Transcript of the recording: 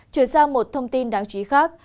chuyển sang một thông tin đáng chú ý khác